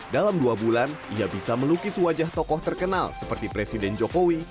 dalam dua bulan ia bisa melukis wajah tokoh terkenal seperti presiden jokowi